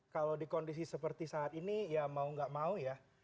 kalau di kondisi seperti saat ini ya mau nggak mau ya